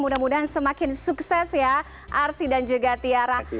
mudah mudahan semakin sukses ya arsy dan juga tiara